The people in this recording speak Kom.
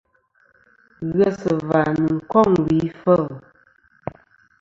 Ghesɨ̀và nɨn kôŋ wì ifêl.